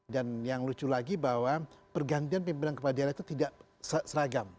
dan yang lucu lagi bahwa pergantian pimpinan kepala daerah itu tidak seragam